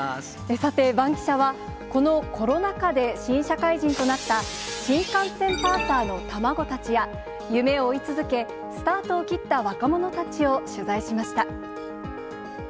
さて、バンキシャはこのコロナ禍で新社会人となった新幹線パーサーの卵たちや、夢を追い続け、スタートを切った若者たちを取材しました。